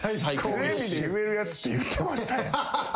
テレビで言えるやつって言ってましたやん。